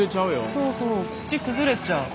そうそう土崩れちゃう。